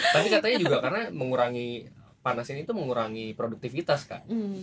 tapi katanya juga karena mengurangi panas ini itu mengurangi produktivitas kan